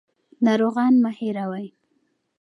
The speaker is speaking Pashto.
ناروغان مه هېروئ.